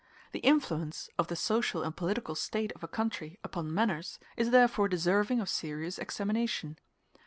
The influence of the social and political state of a country upon manners is therefore deserving of serious examination.